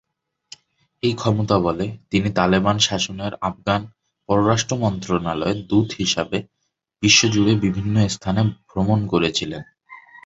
এই ক্ষমতাবলে তিনি তালেবান শাসনের আফগান পররাষ্ট্র মন্ত্রণালয়ের দূত হিসাবে বিশ্বজুড়ে বিভিন্ন স্থানে ভ্রমণ করেছিলেন।